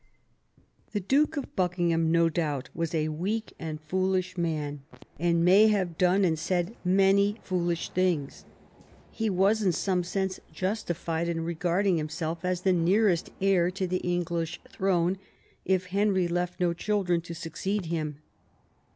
The Duke of Buckingham, no doubt, was a weak and foolish man, and may have done and said many foolish things. He was in some sense justified in regarding himself as the nearest heir to the English throne if Henry left no children to succeed him.